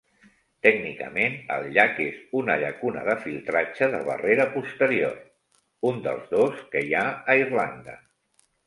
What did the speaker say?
Tècnicament el llac és una llacuna de filtratge de barrera posterior, un dels dos que hi ha a Irlanda.